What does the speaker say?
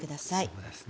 そうですね。